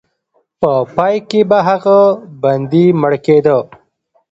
په پای کې به هغه بندي مړ کېده.